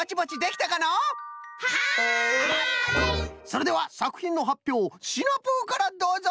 それではさくひんのはっぴょうシナプーからどうぞ！